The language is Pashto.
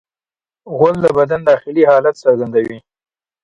غول د بدن داخلي حالت څرګندوي.